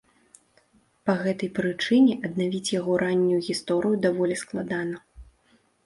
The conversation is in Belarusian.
Па гэтай прычыне аднавіць яго раннюю гісторыю даволі складана.